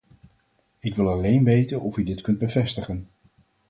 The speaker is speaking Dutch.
Ik wil alleen weten of u dit kunt bevestigen.